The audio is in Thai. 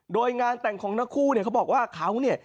โดยงานแต่งของนักคู่เขาบอกว่าเขาเนี่ย